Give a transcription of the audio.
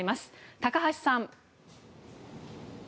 高橋さん。